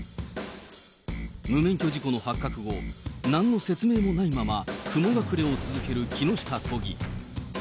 無免許事故の発覚後、なんの説明もないまま、雲隠れを続ける木下都議。